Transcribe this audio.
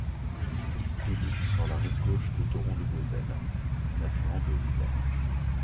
Toutes dominent sur la rive gauche le doron de Bozel, un affluent de l'Isère.